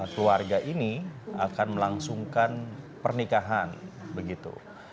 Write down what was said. keluarga ini akan melangsungkan pernikahan begitu